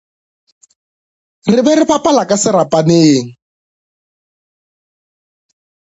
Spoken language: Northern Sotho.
Re be re bapala ka serapaneng.